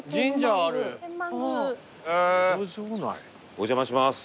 お邪魔します。